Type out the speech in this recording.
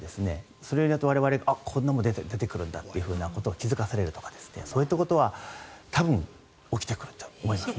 それによって我々がこんなものも出てくるんだと気付かされるとかそういったことは多分起きてくると思いますね。